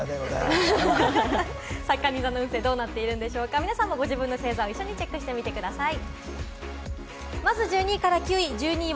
かに座の運勢はどうなっているんでしょうか、皆さんもご自身の星座を一緒にチェックしてみてください。